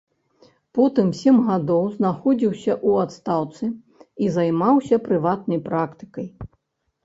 Потым сем гадоў знаходзіўся ў адстаўцы і займаўся прыватнай практыкай.